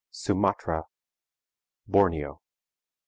Sumatra. Borneo.